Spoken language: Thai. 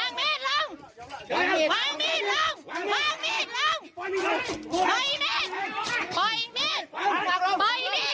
เพราะไม่รู้ว่ายังไงตรงนี้นะค่ะ